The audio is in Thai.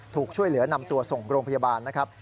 ถูกช่วยเหลือนำตัวส่งโรงพยาบาลนะครับ